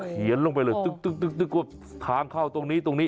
เขียนลงไปเลยดึ๊กกว่าทางเข้าตรงนี้